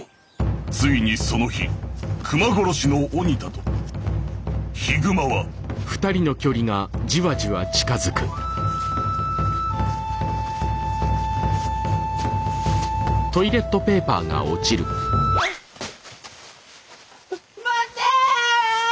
ついにその日熊殺しの鬼田と悲熊はあ待って！